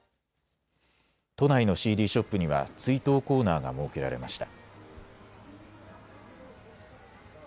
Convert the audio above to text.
都内のＣＤショップには追悼コーナーが設けられました。